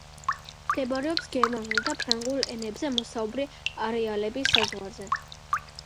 მდებარეობს გერმანულ და ფრანგულ ენებზე მოსაუბრე არეალების საზღვარზე.